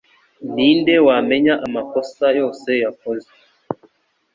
Ni nde wamenya amakosa yose yakoze?